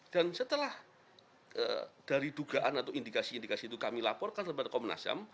dan setelah dari dugaan atau indikasi indikasi itu kami laporkan kepada komnas